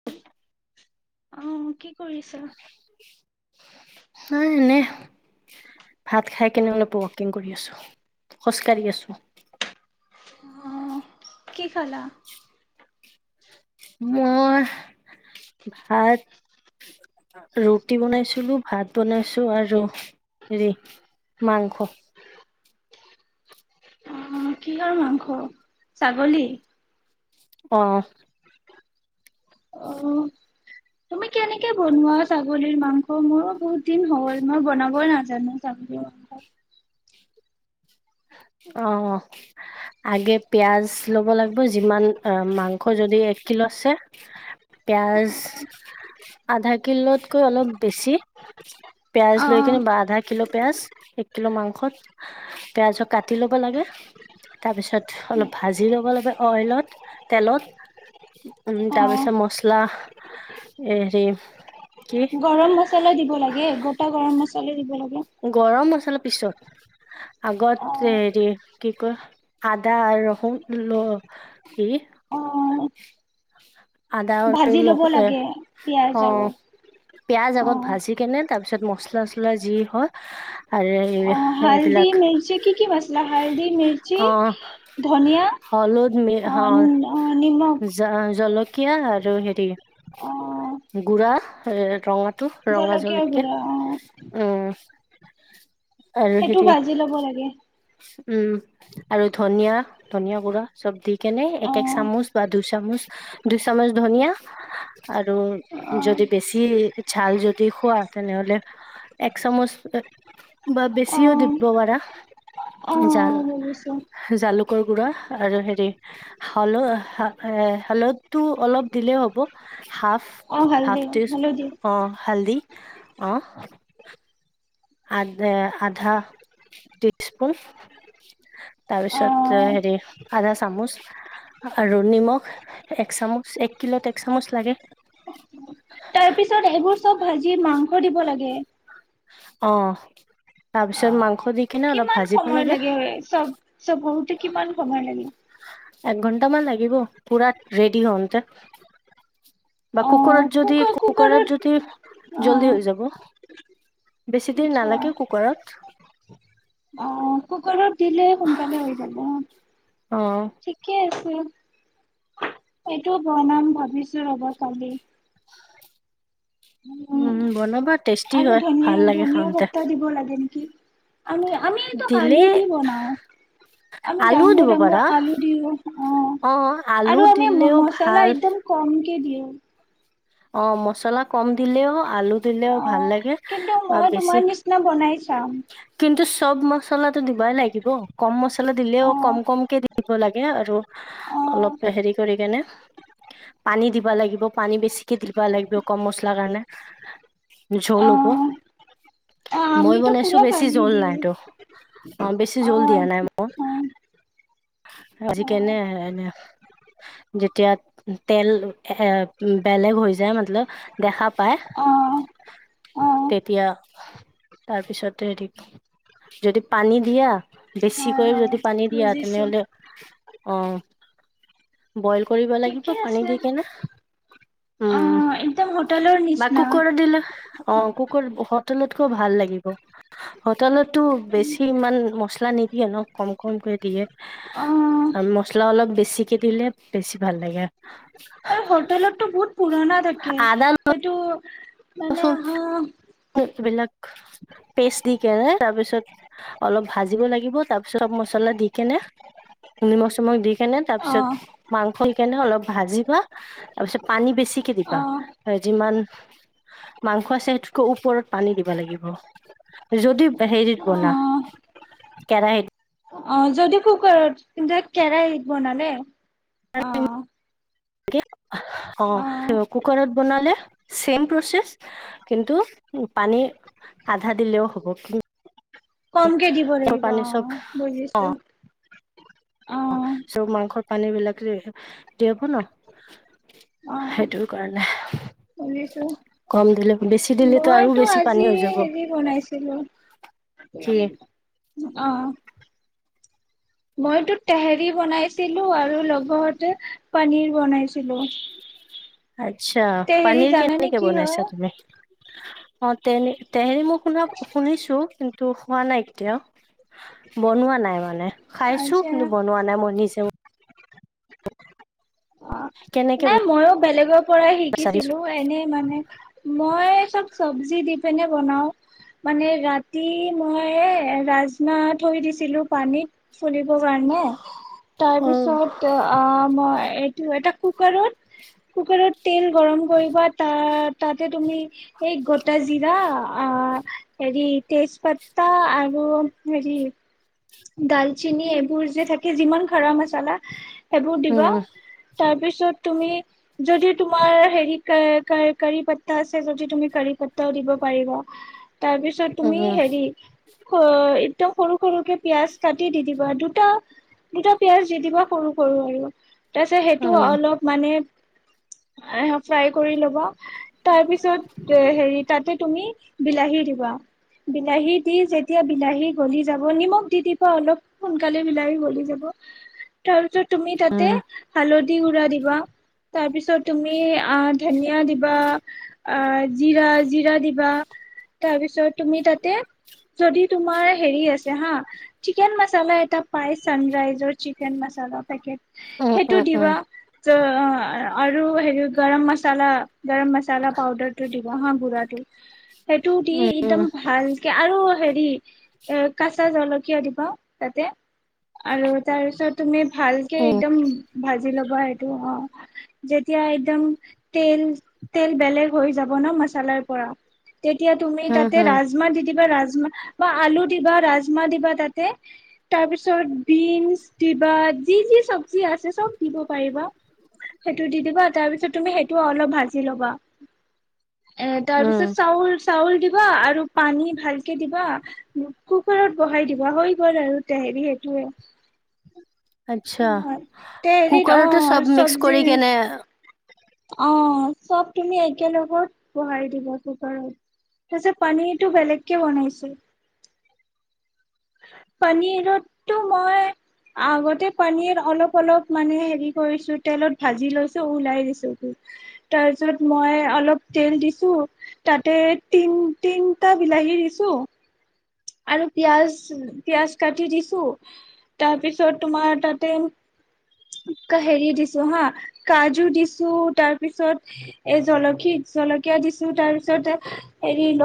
[inaudible] অ কি কৰিছা? নাই এনে। ভাত খাই কেনে অলপ ৱকিং কৰি আছো, খোজ কঢ়ি আছো। অ কি খালা? মই ভাত ৰুটি বনাইছিলো, ভাত বনাইছো আৰু হেৰি মাংস। অহ কিহৰ মাংস? ছাগলী? অ। অ তুমি কেনেকে বনোৱা ছাগলীৰ মাংস? মোৰো বহুত দিন হ'ল মই বনাবই নাজানো ছাগলী। অহ আগে পিয়াজ ল'ব লাগিব যিমান মাংস যদি এক কিলো আছে পিয়াঁজ আধা কিলোতকৈ অলপ বেছি পিয়াঁজ লৈ কিনে বা অহ আধা কিলো পিঁয়াজ এক কিলো মাংসত। পিয়াঁজ কাটি ল'ব লাগে তাৰপিছত অলপ ভাজি ল'ব লাগে অইলত তেলত। উমঁ' তাৰপিছত অহ মছলা হেৰি কি গৰম মছলা দিব লাগে, গোটা গৰম মছলা দিব লাগে। গৰম মছলাৰ পিছত, আগত অহ হেৰি কি কয় আদা আৰু ৰহুন লৈ কি অহ আদা ভাজি আৰু ল'ব ৰহুন, লাগে পিয়াজ আৰু অঁ'। পিয়াঁজ আগত অহ ভাজি কেনে তাৰপিছত মছলা-চছলা যি হয় আৰু হালদি এইবিলাক মিৰ্চি কি কি মছলা হালদি, মিৰ্চি, অ ধনিয়া হলুদ অঁ অঁ' নিমখ। জ-জলকীয়া আৰু হেৰি অহ গুড়া, ৰঙা টো ৰঙা জলকীয়াৰ জলকীয়া গুৰা অ উমঁ'। আৰু সেইটো হেৰি ভাজি ল'ব লাগে উমঁ। আৰু ধনিয়া, ধনিয়া গুৰা চ'ব দি কেনে অ এক এক চামুচ বা দুই চামুচ দুই চামুচ ধনিয়া আৰু অ যদি বেছি ঝাল যদি খোৱা তেনে হ'লে এক চামুচ বা অ বেছিও দিব পাৰা অ ঝাল। বুজিছো জালুকৰ গুৰা আৰু হেৰি [unintelligible] টো অলপ দিলে হ'ব হাফ, অ হাফ হালধি টিছ হালধি অঁ' হালধি। অঁ। আ-আন্দা টি [unintelligible] তাৰ অ পিছত হেৰি আধা চামুচ- আৰু নিমখ এক চামুচ, এক কিলত এক চামুচ লাগে। তাৰ পিছত এইবোৰ চ'ব ভাজি মাংস দিব লাগে। অঁ' তাৰ অ পিছত মাংস দি কিনে অলপ কিমান ভাজিব সময় লাগে হয়। চ'ব চ'ব হওঁতে কিমান সময় লাগে। এক ঘন্টামান লাগিব পুৰা ৰেডি হওঁতে। বা অ কুকৰত যদি কুকাৰ কুকাৰত যদি অ জল্দি হৈ যাব। বেছি দেৰি আচ্ছা নালাগে কুকাৰত। অ কুকাৰত দিলে সোনকালে হৈ যাব। অঁ। ঠিকে আছে। এইটো বনাম ভাবিছো ৰ'বা কালি। উম বনাবা টেষ্টি আৰু হয় ভাল লাগে ধনীয়া-ধনীয়া খাওঁতে পাট্টা দিব লাগে নেকি। আমি, আমিতো দিলে [unintelligible] দি বনাওঁ। আমি আলুও ডাঙৰ দিব পাৰা ডাঙৰ আলু দিওঁ অঁ' অ আলু আৰু আমি দিলেও ভাল মছলা একদম কমকে দিওঁ। অঁ' মছলা কম দিলেও আলু দিলেও অ ভাল লাগে কিন্তু বা মই বেছি তোমাৰ নিচিনা বনাই চাম কিন্তু চ'ব ম মচলাটো দিবাই লাগিব। কম মছলা দিলেও অ কম কমকে দিব লাগে আৰু- অ অলপ হেৰি কৰি কেনে পানী দিবা লাগিব। পানী বেছিকে দি দিব লাগিব কম মছলা কাৰণে। অ জোল হ'ব। অ মই আমিতো বনাইছো পুৰা বেছি পানী জোল দিওঁ নাইতো। অঁ' বেছি অ জোল অ দিয়া নাই মই। আজি কেনে অ আহে এনে, যেতিয়া তেল এ বেলেগ হৈ যায় মতলব দেখা পায়। অ হয় তেতিয়া তাৰপিছত হেৰি যদি পানী দিয়া বেছিকৈ হয় যদি পানী দিয়া বুজিছো তেনেহলে অ বইল কৰিব লাগিব ঠিকে পানী আছে দি কিনা। অ উম একদম হোটেলৰ বাকো নিচিনা কুকৰত দিলে। অ কুকুৰত হোটেলতকৈ ভাল লাগিব। হোটেলতটো বেছি ইমান মছলা নিদিয়ে ন কম কমকে দিয়ে। অঁ। আৰু মছলা অলপ বেছিকে দিলে বেছি ভাল লাগে। আৰু হোটেলতটো বহুত পুৰণা থাকে আদা সেইটো মানে আহ। ক বিলাক টেষ্টি কে তাৰ পিছত। অলপ ভাজিব লাগিব তাৰ পিছত মছলা দি কেনে। নিমখ চিমখ দি কেনে অ তাৰপিছত মাংস দি কেনে অলপ ভাজিবা। তাৰপিছত পানী বেছিকে অ দিবা যিমান মাংস আছে সেইটো। কৌ ওপৰত পানী দিব লাগিব যদি হেৰিত অ বনা। কেৰাহিত। অ যদি কুকাৰত কিন্ত কেৰাহীত বনালে অ। অ কুকাৰত বনালে। চেম প্ৰচেছ কিন্তু, পানী আধা দিলেওঁ হ'ব কিন কমকে দিব লাগিব চব অ', বুজিছোঁ। অ', চব মাংসৰ পানী বিলাক যে যেব ন'। সেইটোৰ কাৰণেহ। শুনিছোঁ। দিলেতো আৰু মইতো বেছি পানী আজি হৈ যাব হেৰি বনাইছিলোঁ। কি অ'। মইটো টেহেৰি বনাইছিলোঁ আৰু লগতে পানীৰ বনাইছিলোঁ। আচ্ছা, পানীৰ জানানে কেনেকে কি হয় বনাইছা তুমি? অ', তেনে তেহেৰি মো শুনাত শুনিছোঁ কিন্তু খোৱা নাই কেতিয়াও। বনোৱা নাই মানে। খাইছোঁ আচ্ছা কিন্তু বনোৱা নাই মই নিছেও আ, কেনেকে নাই মইও বেলেগৰ পৰাই বিচাৰিছো শিকিছিলোঁ। অ, এনেই মানে মই চব চব্জি দি পিনে বনাও। মানে ৰাতি মইয়ে ৰাজমা থৈ দিছিলোঁ পানীত। ফুলিব কাৰণে উম তাৰপিছত আ, মই টু এটা কুকাৰত কুকাৰত তেল গৰম কৰিবা তা, তাতে তুমি এ, গটা জিৰা আ, হেৰি তেজপাত্তা আৰু হেৰি ডালচিনি এইবোৰ যে থাকে যিমান খাৰা মাচালা সেবোৰ দিবা। উম তাৰপিছত তুমি যদি তোমাৰ হেৰি কাৰ-কাৰ কাৰিপাত্তা আছে যদি তুমি কাৰিপাত্তাও দিব পাৰিবা। তাৰপিছত উম তুমি হেৰি স, একদম সৰু সৰুকে পিয়াজ কাটি দি দিবা। দুটা দুটা পিয়াজ দি দিবা সৰু সৰু আৰু। তাৰপিছত সেইটো উম অলপ মানে আ, ফ্ৰাই কৰি ল'বা। তাৰপিছত তে, হেৰি তাতে তুমি বিলাহী দিবা, বিলাহী দি যেতিয়া বিলাহী গলি যাব নিমখ টি তিবা অলপ সোনকালে মিলাই গলি যাব। তাৰছত তুমি তাতে উম হালধি গুৰা দিবা। তাৰপিছত তুমি আদ ধনিয়া দিবা আ, জিৰা জিৰা দিবা তাৰ পিছ ছত তুমি তাতে যদি তোমাৰ হেৰি আছে হা। চিকেন মাচালা এটা পাই চানৰাইজৰ চিকেন মাচালা পেকেট। উম সেইটো উম উম দিবা য, অ, আৰু হেৰি গৰম মাচলা গৰম মাচালা পাউদাৰটো দিবা হা, গুৰাটো। সেইটো দি ইকদম ভালকে আৰু হেৰি এ, কাচা জলত কিয় দিবা তাতে আৰু তাৰ পিছত তুমি ভালকে উম এদম ভাজি ল'বা এইটো অ, যেতিয়া একদম তেল তেল বেলেগ হৈ যাব ন, মাচালাৰ পৰা তেতিয়া তুমি উম তাতে উম ৰাজমা দি দিবা ৰাজমা বা আলু দিবা। ৰাজমা দিবা। তাতে তাৰপিছত বিনছ দিবা যি যি চব্জি আছে চব দিব পাৰিবা। সেইটো দি দিবা তাৰপিছত তুমি সেইটো অলপ ভাজি ল'বা। এ', তাৰ উম পিছত চাউলচ চাউল দিবা আৰু পানী ভালকে দিবা। কুকাৰত বহাই দিব ৱা হৈ গ'ল আৰু তে, হেৰি সেইটোয়ে। আচ্ছা তে হেৰিত কুকাৰতে চব অ', মিক্স চব্জি কৰি কেনে অ', চব তুমি একেলগত বহাই দিব কুকাৰত। [unintelligible] পানীটো বেলেগকে বনাইছোঁ। পানীৰতটো মই আগতে পানীৰ অলপ অলপ মানে হেৰি কৰিছোঁ। তেলত ভাজি লৈছোঁ। উলাই দিছোঁ। তাৰপিছত মই অলপ তেল দিছোঁ। তাতে তিন তিনটা বিলাহী দিছোঁ। আৰু পিয়াজ পিয়াজ কাটি দিছোঁ। তাৰ পিছত তোমাৰ তাতে হেৰি দিছো হা। কাজু দিছো তাৰ পিছত এ', জলকি জলকীয়া দিছো তাৰপিছত হেৰি